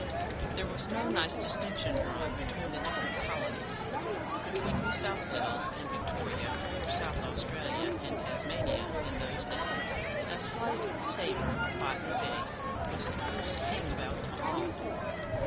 There was no nice distinction drawn between the different colonies; between New South Wales and Victoria, or South Australia and Tasmania in those days a slight savour of Botany Bay was supposed to hang about them all.